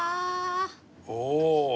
おお！